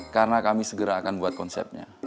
karena kami segera akan buat konsepnya